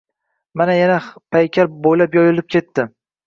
Hamma yana paykal boʻylab yoyilib ketdi.